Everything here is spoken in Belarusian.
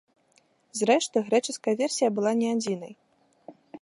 Зрэшты, грэчаская версія была не адзінай.